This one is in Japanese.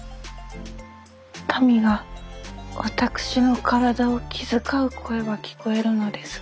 民が私の体を気遣う声は聞こえるのですが。